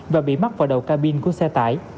và bị mắc vào đầu cabin của xe tải